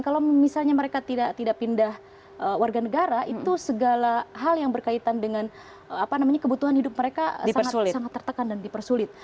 kalau misalnya mereka tidak pindah warga negara itu segala hal yang berkaitan dengan kebutuhan hidup mereka sangat tertekan dan dipersulit